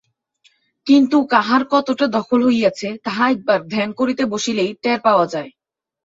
কিন্তু কাহার কতটা দখল হইয়াছে, তাহা একবার ধ্যান করিতে বসিলেই টের পাওয়া যায়।